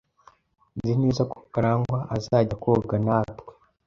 Nzi neza ko Karangwa azajya koga natwe.